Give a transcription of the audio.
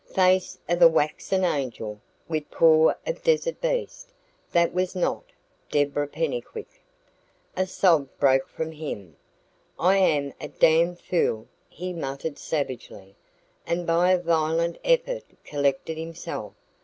"Face of waxen angel, with paw of desert beast" that was not Deborah Pennycuick. A sob broke from him. "I am a damned fool!" he muttered savagely, and by a violent effort collected himself.